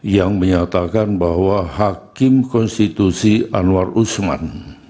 yang menyatakan bahwa hakim konstitusi anwar usman